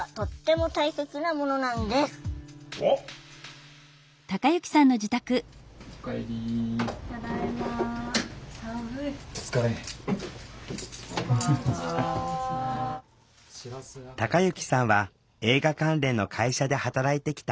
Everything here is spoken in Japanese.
たかゆきさんは映画関連の会社で働いてきた。